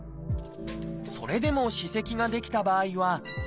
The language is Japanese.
それでも歯石が出来た場合は「スケーリング」。